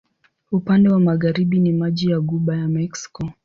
Upande wa magharibi ni maji wa Ghuba ya Meksiko.